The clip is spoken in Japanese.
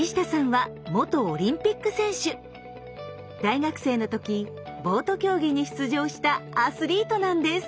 大学生の時ボート競技に出場したアスリートなんです。